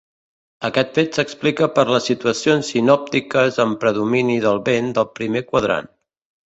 Aquest fet s’explica per les situacions sinòptiques amb predomini del vent del primer quadrant.